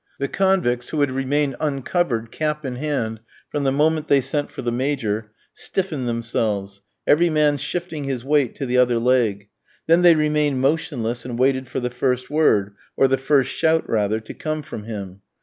The convicts, who had remained uncovered, cap in hand, from the moment they sent for the Major, stiffened themselves, every man shifting his weight to the other leg; then they remained motionless, and waited for the first word, or the first shout rather, to come from him.